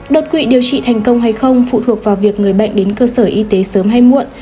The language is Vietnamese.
đột quỵ điều trị thành công hay không phụ thuộc vào việc người bệnh đến cơ sở y tế sớm hay muộn